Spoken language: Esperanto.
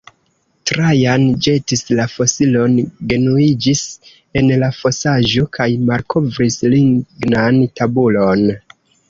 Trajan ĵetis la fosilon, genuiĝis en la fosaĵo kaj malkovris lignan tabulon.